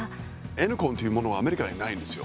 「Ｎコン」というものはアメリカにないんですよ。